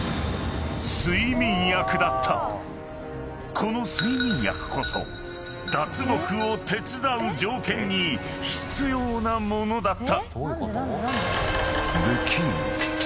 ［この睡眠薬こそ脱獄を手伝う条件に必要なものだった］